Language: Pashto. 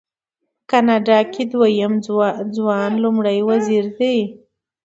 په کاناډا کې دویم ځوان لومړی وزیر دی.